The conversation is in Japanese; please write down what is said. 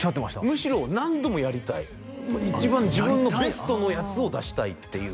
むしろ何度もやりたい一番自分のベストのやつを出したいっていう